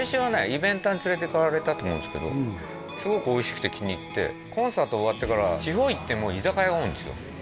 イベンターに連れてこられたと思うんですけどすごくおいしくて気に入ってコンサート終わってから地方行っても居酒屋が多いんですよ